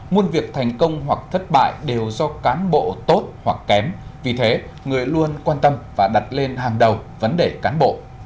muôn việc thành công hoặc thất bại đều do cán bộ tốt hoặc kém vì thế người luôn quan tâm và đặt lên hàng đầu vấn đề cán bộ